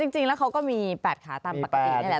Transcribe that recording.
จริงแล้วเขาก็มี๘ขาตามปกตินี่แหละ